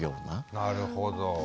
なるほど。